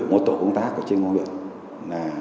một tổ công tác ở trên ngôi huyện